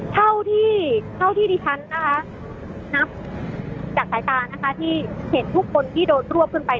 เท่าที่ดิฉันนะคะนับจากสายตานะคะที่เห็นทุกคนที่โดนรวบขึ้นไป